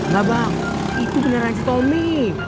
nah bang itu beneran tommy